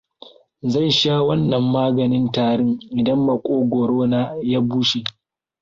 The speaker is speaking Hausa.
Zan sha wannan maganin tarin idan maƙogwaro na ya bushe.